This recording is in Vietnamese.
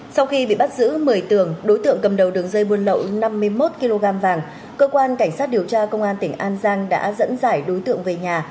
sau khi bị bắt giữ một mươi tường đối tượng cầm đầu đường dây buôn lậu năm mươi một kg vàng cơ quan cảnh sát điều tra công an tỉnh an giang đã dẫn giải đối tượng về nhà